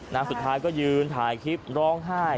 สุดท้ายก็ยืนถ่ายคลิปร้องไห้